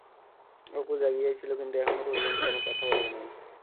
অপু জাগিয়াই ছিল, কিন্তু এখনও পর্যন্ত কোন কথা বলে নাই।